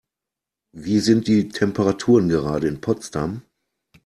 Wie sind die Temperaturen gerade in Potsdam?